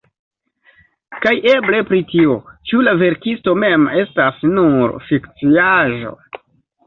Kaj eble pri tio, ĉu la verkisto mem estas nur fikciaĵo?